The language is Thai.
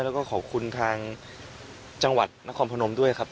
แล้วก็ขอบคุณทางจังหวัดนครพนมด้วยครับ